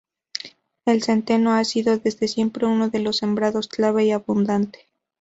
El centeno ha sido desde siempre uno de los sembrados clave y abundante.